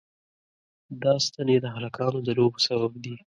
دا ستنې د هلکانو د لوبو سبب دي.